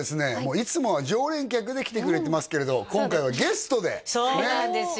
いつもは常連客で来てくれてますけれど今回はゲストでねえそうなんですよ